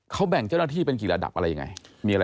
เขาแบ่งเจ้าหน้าที่เป็นกี่ระดับอะไรยังไง